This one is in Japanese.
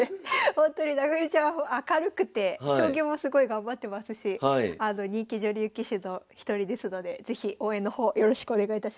ほんとに武富ちゃんは明るくて将棋もすごい頑張ってますし人気女流棋士の一人ですので是非応援の方よろしくお願いいたします。